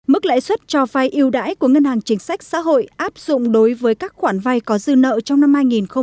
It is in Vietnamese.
mức lãi suất cho vai yêu đãi của ngân hàng chính sách xã hội áp dụng đối với các khoản vay có dư nợ trong năm hai nghìn hai mươi